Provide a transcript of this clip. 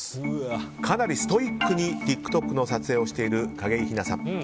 かなりストイックにＴｉｋＴｏｋの撮影をしている景井ひなさん。